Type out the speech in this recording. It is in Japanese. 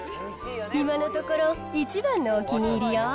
今のところ、一番のお気に入りよ。